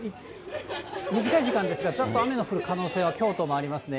短い時間ですがざっと雨の降る可能性は京都もありますね。